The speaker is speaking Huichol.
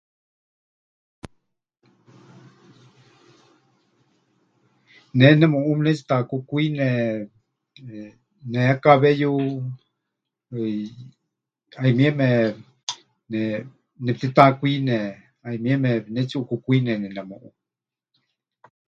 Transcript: Ne nemuʼú mɨnetsiʼutakukwine nehekaweyu, ˀaimieme ne nepɨtitakwine, ˀaimieme pɨnetsiʼukukwineni nemuʼú.